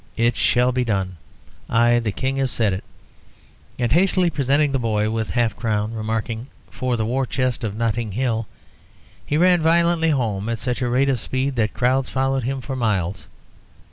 It shall be done. I, the King, have said it." And, hastily presenting the boy with half a crown, remarking, "For the war chest of Notting Hill," he ran violently home at such a rate of speed that crowds followed him for miles.